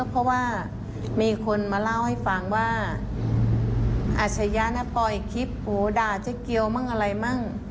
เพราะว่ามีคนมาเล่าให้ฟังว่าอาชญะน่ะปล่อยคลิปโหด่าเจ๊เกียวมั่งอะไรมั่ง